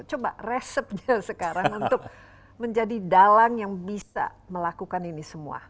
coba resepnya sekarang untuk menjadi dalang yang bisa melakukan ini semua